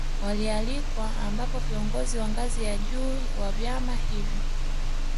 Walialikwa ambapo viongozi wa ngazi ya juu wa vyama hivyo